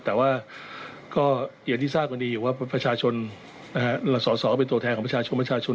แต่ว่าอย่างที่ที่ทราบกว่านี้อยู่ว่าประชาชนหรือสอบเป็นตัวแทนของประชาชน